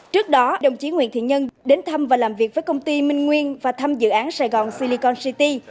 trước đó đồng chí nguyễn thiện nhân đến thăm và làm việc với công ty minh nguyên và thăm dự án sài gòn silicon city